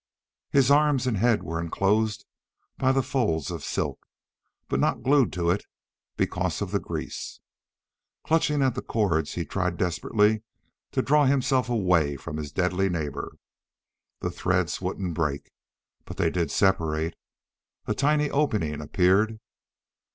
His arms and head were enclosed by the folds of silk, but not glued to it because of the grease. Clutching at the cords he tried desperately to draw himself away from his deadly neighbor. The threads wouldn't break, but they did separate. A tiny opening appeared.